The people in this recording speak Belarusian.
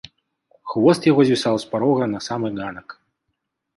Хвост яго звісаў з парога на самы ганак.